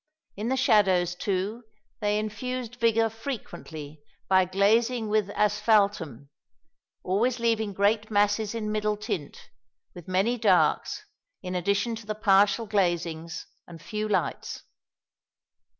In the shadows, too, they infused vigour frequently by glazing with asphaltum, always leaving great masses in middle tint, with many darks, in addition to the partial glazings, and few lights."